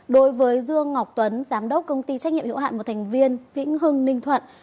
đối với dương ngọc tuấn giám đốc công ty trách nhiệm hiệu hạn một thành viên vĩnh hưng ninh thuận